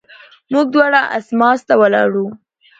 موږ دواړه اسماس ته ولاړو.